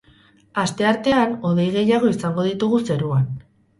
Asteartean hodei gehiago izango ditugu zeruan.